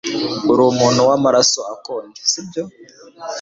Urumuntu wamaraso akonje, sibyo?